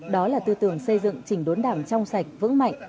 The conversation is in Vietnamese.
đó là tư tưởng xây dựng chỉnh đốn đảng trong sạch vững mạnh